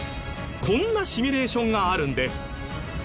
こんなシミュレーションがあるんです。